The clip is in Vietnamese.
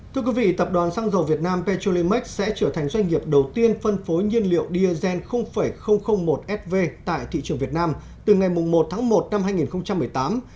thưa quý vị tập đoàn xăng dầu việt nam petrolimax sẽ trở thành doanh nghiệp đầu tiên phân phối nhiên liệu diesel một sv tại thị trường việt nam từ ngày một tháng một năm hai nghìn một mươi tám